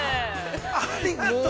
◆ありがとう。